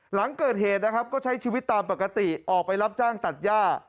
หลังเกิดเหตุนะครับก็ใช้ชีวิตตามปกติออกไปรับจ้างตัดย่า